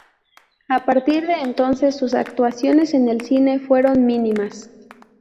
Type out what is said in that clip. A partir de entonces, sus actuaciones en el cine fueron mínimas.